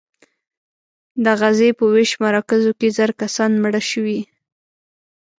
د غزې په ویش مراکزو کې زر کسان مړه شوي.